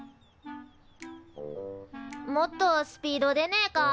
もっとスピード出ねえか？